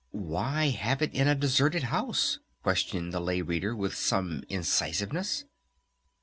"Why have it in a deserted house?" questioned the Lay Reader with some incisiveness.